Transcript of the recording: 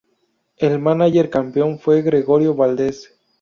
El mánager campeón fue Gregorio Valdez.